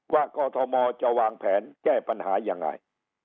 ว่ากอธมอธ์จะวางแผนแก้ปัญหายังไง